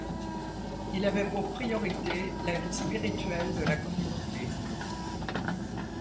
Il avait pour priorité la vie spirituelle de la communauté.